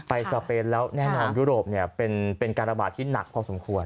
สเปนแล้วแน่นอนยุโรปเป็นการระบาดที่หนักพอสมควร